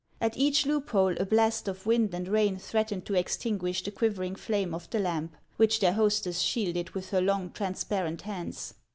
At each loop hole a blast of wind and rain threatened to extinguish the quiv ering flame of the lamp, which their hostess shielded with her long, transparent hands.